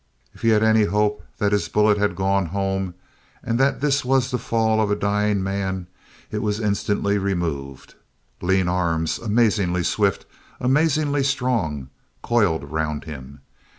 If he had any hope that his bullet had gone home and that this was the fall of a dying man, it was instantly removed. Lean arms, amazingly swift, amazingly strong, coiled round him.